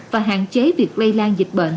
và hạn chế việc lây lan dịch bệnh